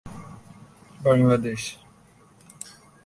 বাংলাদেশের রাজধানী ঢাকা শহরে ডেনমার্ক সরকার একটি দূতাবাস স্থাপন করে।